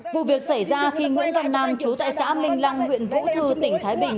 vụ việc xảy ra khi nguyễn văn nam chú tại xã minh lăng huyện vũ thư tỉnh thái bình